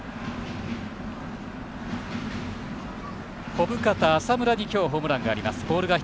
小深田、浅村に今日ホームランがあります。